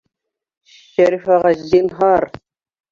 Шәриф ағай, зинһар!..